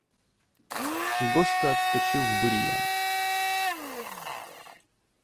Гошка отскочил в бурьян.